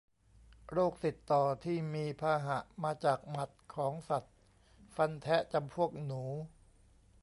โรคติดต่อที่มีพาหะมาจากหมัดของสัตว์ฟันแทะจำพวกหนู